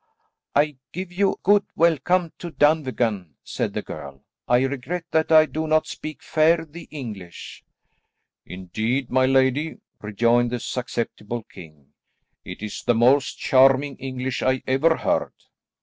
"I give you good welcome to Dunvegan," said the girl. "I regret that I do not speak fair the English." "Indeed, my lady," rejoined the susceptible king, "it is the most charming English I ever heard."